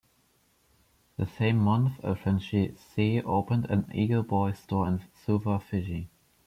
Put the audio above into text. The same month a franchisee opened an Eagle Boys store in Suva, Fiji.